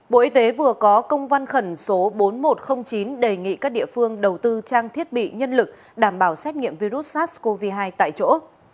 bộ y tế vừa có công văn khẩn số bốn nghìn một trăm linh chín đề nghị các địa phương đầu tư trang thiết bị nhân lực đảm bảo xét nghiệm virus sars cov hai tại chỗ